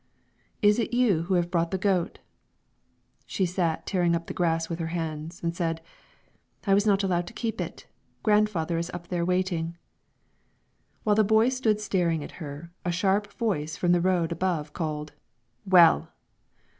"Is it you who have brought the goat?" She sat tearing up the grass with her hands, and said, "I was not allowed to keep it; grandfather is up there waiting." While the boy stood staring at her, a sharp voice from the road above called, "Well!"